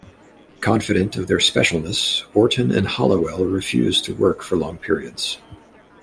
Confident of their "specialness", Orton and Halliwell refused to work for long periods.